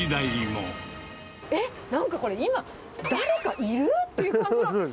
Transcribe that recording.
なんかこれ、誰かいる？っていう感じの。